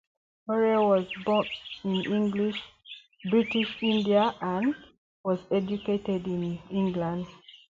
Hoare was born in British India and was educated in England.